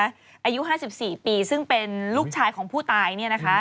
อายุ๕๔ปีซึ่งเป็นลูกชายของผู้ตายเนี่ยนะคะ